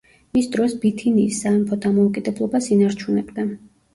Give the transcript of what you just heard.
მის დროს ბითინიის სამეფო დამოუკიდებლობას ინარჩუნებდა.